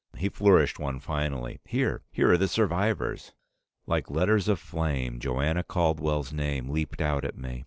He flourished one finally. "Here! Here are the survivors!" Like letters of flame, Joanna Caldwell's name leaped out at me.